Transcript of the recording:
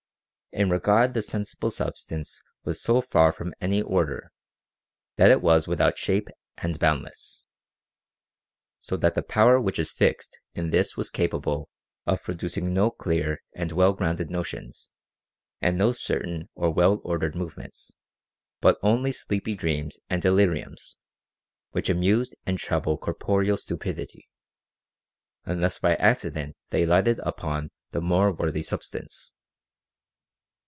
In regard the sensible substance was so far from any order, that it was without shape and boundless. So that the power which is fixed in this was capable of producing no clear and well grounded notions and no certain or well ordered movements, but only sleepy dreams and deliriums, which amuse and trouble corporeal stupidity ; unless by accident they lighted upon the more worthy substance.